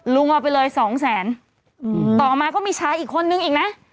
เอาไปเลยสองแสนต่อมาก็มีชายอีกคนนึงอีกนะ